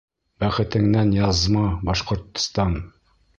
Бәхетеңнән язма, Башкортстан!